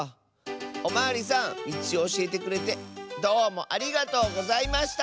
おまわりさんみちをおしえてくれてどうもありがとうございました！